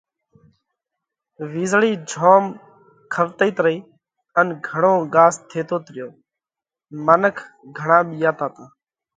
وِيزۯئِي جوم کوَتئِيت رئِي، ان گھڻو ڳاز ٿيتوت ريو۔ منک گھڻا ٻِيئاتا تا۔